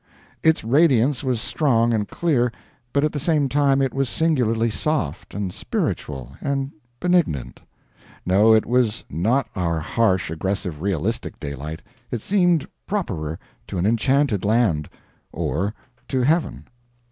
Its radiance was strong and clear, but at the same time it was singularly soft, and spiritual, and benignant. No, it was not our harsh, aggressive, realistic daylight; it seemed properer to an enchanted land or to heaven.